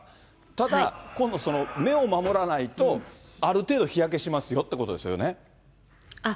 ただ、今度、目を守らないと、ある程度、日焼けしますよということですよね。